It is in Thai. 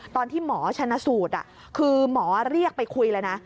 ตอนที่หมอชนะสูตรคือหมอเรียกไปคุยเลยนะ